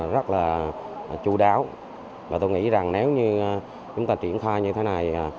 rất là chú đáo và tôi nghĩ rằng nếu như chúng ta triển khai như thế này